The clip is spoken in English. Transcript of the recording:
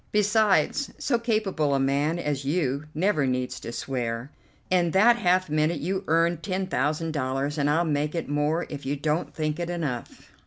Besides, so capable a man as you never needs to swear. In that half minute you earned ten thousand dollars, and I'll make it more if you don't think it enough."